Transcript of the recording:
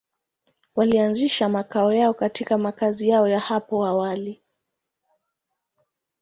Walianzisha makao yao katika makazi yao ya hapo awali.